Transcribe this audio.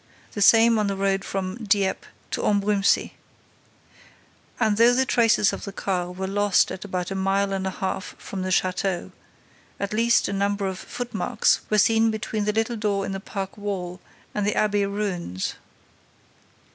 The same on the road from Dieppe to Ambrumésy. And, though the traces of the car were lost at about a mile and a half from the château, at least a number of footmarks were seen between the little door in the park wall and the abbey ruins.